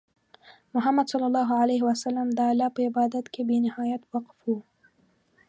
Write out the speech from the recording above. محمد صلى الله عليه وسلم د الله په عبادت کې بې نهایت وقف وو.